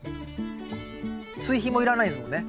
追肥もいらないですもんね。